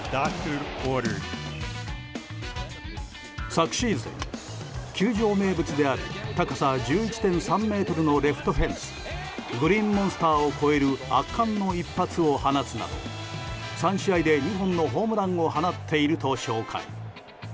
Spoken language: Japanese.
昨シーズン、球場名物である高さ１１．３ｍのレフトフェンスグリーンモンスターを越える圧巻の一発を放つなど３試合で２本のホームランを放っていると紹介。